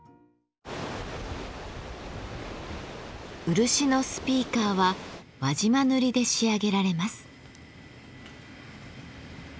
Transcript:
漆のスピーカーは輪島で仕上げられます。